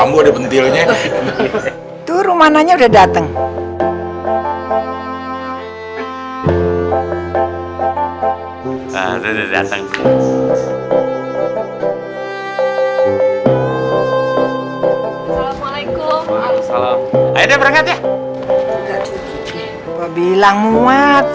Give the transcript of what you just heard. gua bilang muat